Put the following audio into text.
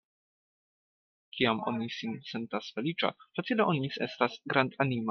Kiam oni sin sentas feliĉa, facile oni estas grandanima.